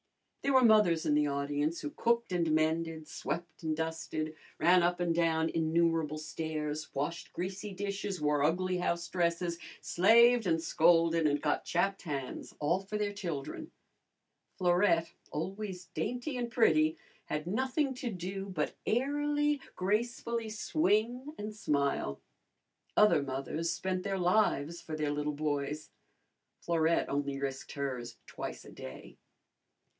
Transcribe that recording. There were mothers in the audience who cooked and mended, swept and dusted, ran up and down innumerable stairs, washed greasy dishes, wore ugly house dresses, slaved and scolded and got chapped hands, all for their children. Florette, always dainty and pretty, had nothing to do but airily, gracefully swing, and smile. Other mothers spent their lives for their little boys. Florette only risked hers twice a day.